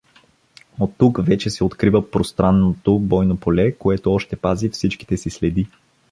Оттук вече се открива пространното бойно поле, което още пази всичките си следи.